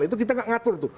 itu kita tidak mengatur itu